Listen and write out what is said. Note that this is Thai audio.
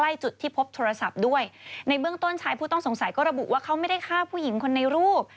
แล้วชายผู้ต้องสงสัยก็ระบุว่าเขาไม่ได้ฆ่าผู้หญิงคนในรูป